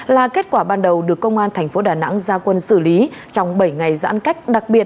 là kết quả ban đầu được công an thành phố đà nẵng gia quân xử lý trong bảy ngày giãn cách đặc biệt